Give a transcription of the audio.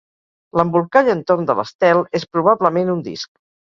L'embolcall entorn de l'estel és probablement un disc.